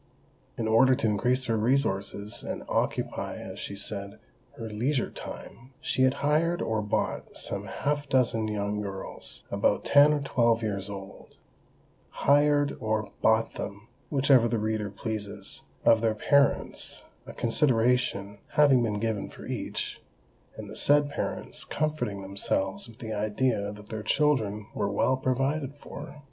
In order to increase her resources, and occupy, as she said, "her leisure time," she had hired or bought some half dozen young girls, about ten or twelve years old;—hired or bought them, whichever the reader pleases, of their parents, a "consideration" having been given for each, and the said parents comforting themselves with the idea that their children were well provided for!